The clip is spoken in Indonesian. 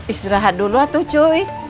israhat dulu tuh cuy